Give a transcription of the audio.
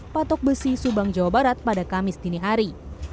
patok besi subang jawa barat pada kamis dinihari